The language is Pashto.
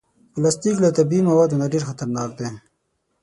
پلاستيک له طبعي موادو نه ډېر خطرناک دی.